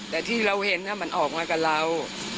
แต่ที่เราเห็นมันออกมากับเรา